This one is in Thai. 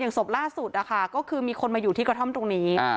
ศพล่าสุดนะคะก็คือมีคนมาอยู่ที่กระท่อมตรงนี้